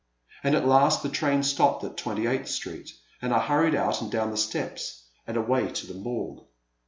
And at last the train stopped at 28th Street, and I hurried out and down the steps and away to the Morgue.